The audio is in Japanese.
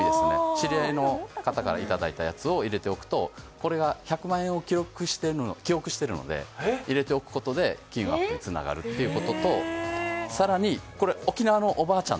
知り合いの方からいただいたやつを入れておくと、これが１００万円を記憶してるので入れておくことで金運アップにつながるということと、更に、沖縄のおばあちゃん